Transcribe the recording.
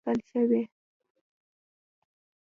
مينې په ناهيلۍ وويل چې زما د ژوند ديوان په غم ليکل شوی